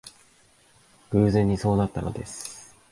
偶然にそうなったのです